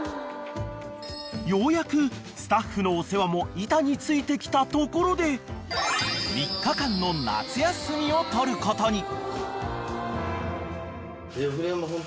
［ようやくスタッフのお世話も板についてきたところで３日間の夏休みを取ることに］